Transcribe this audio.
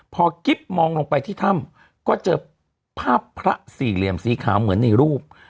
พอกิ๊บมองลงไปที่ถ้ำก็เจอภาพพระสี่เหลี่ยมสีขาวเหมือนในรูป